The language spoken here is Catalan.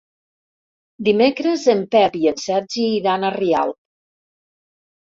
Dimecres en Pep i en Sergi iran a Rialp.